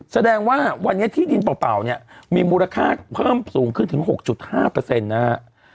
แสดงว่าวันเนี้ยที่ดินเปล่าเปล่าเนี้ยมีมูลค่าเพิ่มสูงขึ้นถึงหกจุดห้าเปอร์เซ็นต์นะฮะ